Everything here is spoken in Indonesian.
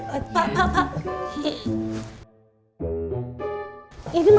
tak tak tak